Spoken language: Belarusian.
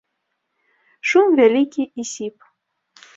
Шум вялікі і сіп.